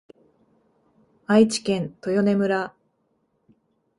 愛知県豊根村